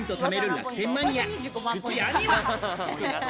楽天マニア、菊地亜美は。